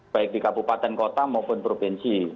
baik di kabupaten kota maupun provinsi